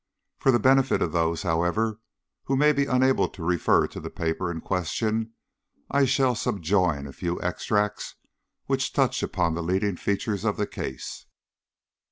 For the benefit of those, however, who may be unable to refer to the paper in question, I shall subjoin a few extracts which touch upon the leading features of the case.